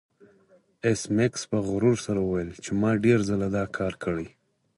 ایس میکس په غرور سره وویل چې ما ډیر ځله دا کار کړی